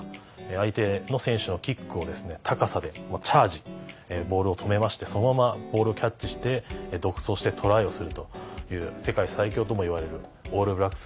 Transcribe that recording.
相手の選手のキックを高さでチャージボールを止めましてそのままボールをキャッチして独走してトライをするという世界最強ともいわれるオールブラックス